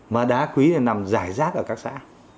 mà đá quý này nằm rải rác ở các xã